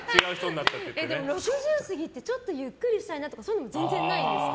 ６０過ぎてちょっとゆっくりしたいなとかそういうのも全然ないんですか？